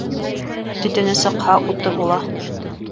Төтөнө сыҡһа, уты була.